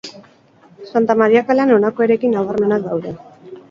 Santa Maria kalean honako eraikin nabarmenak daude.